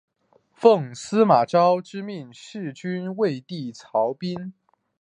奉司马昭之命弑害魏帝曹髦。